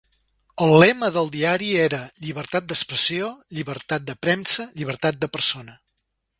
El lema del diari era "Llibertat d'Expressió, Llibertat de Premsa, Llibertat de la Persona".